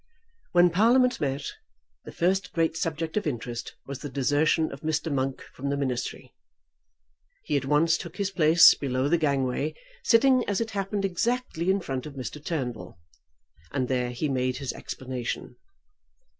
When Parliament met the first great subject of interest was the desertion of Mr. Monk from the Ministry. He at once took his place below the gangway, sitting as it happened exactly in front of Mr. Turnbull, and there he made his explanation.